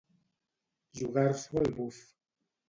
Jugar-s'ho al buf.